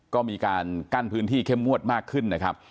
ก็มีการกั้นพื้นที่เข้มงวดมากขึ้นนะครับ